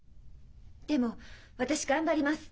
でも私頑張ります。